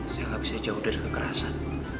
saya gak bisa jauh dari kekerasan